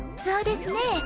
そうですね。